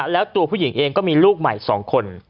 แล้วตัวผู้หญิงเองก็มีลูกใหม่๒คน